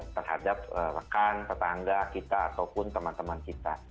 terhadap rekan tetangga kita ataupun teman teman kita